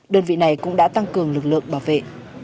đơn vị này cũng đã tăng cường lực lượng bảo vệ